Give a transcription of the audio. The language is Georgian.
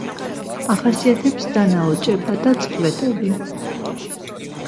ახასიათებს დანაოჭება და წყვეტები.